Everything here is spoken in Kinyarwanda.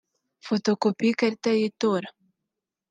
fotokopi y’ikarita y’itora